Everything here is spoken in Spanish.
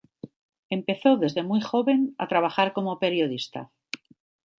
Empezó desde muy joven a trabajar como periodista.